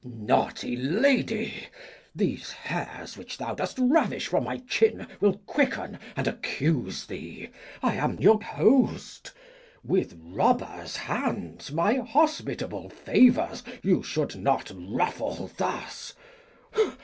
Naughty lady, These hairs which thou dost ravish from my chin Will quicken, and accuse thee. I am your host. With robber's hands my hospitable favours You should not ruffle thus.